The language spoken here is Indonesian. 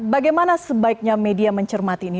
bagaimana sebaiknya media mencermati ini